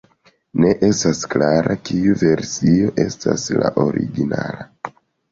Ne estas klare kiu versio estas la originala.